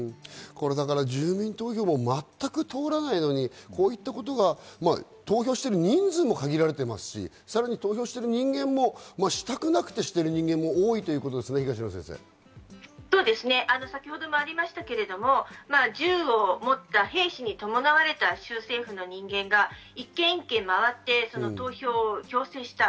住民投票を全く通らないのにこういったことが投票してる人数も限られてますし、投票してる人間もしたくなくてしてる人間も多いというそうですね、先ほどもありましたけど、銃を持った兵士に伴われた州政府の人間が一軒一軒回って投票を強制した。